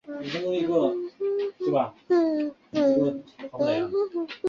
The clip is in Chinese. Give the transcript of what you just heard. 麦特与史提夫皆感应到了安德鲁的情绪爆发。